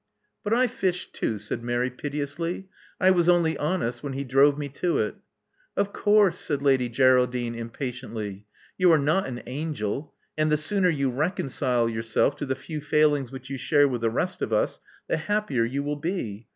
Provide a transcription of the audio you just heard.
But I fished, too," said Mary, piteously. I was only honest when he drove me to it." Of course," said Lady Geraldine, impatiently. You are not an angel; and the sooner you reconcUe yourself to the few failings which you share with the rest of us, the happier you will be.